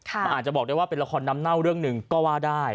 มันอาจจะบอกได้ว่าเป็นละครน้ำเน่าเรื่องหนึ่งก็ว่าได้